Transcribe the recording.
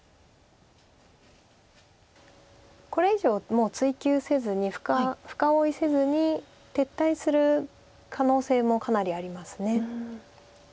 これ以上もう追及せずに深追いせずに撤退する可能性もかなりあります。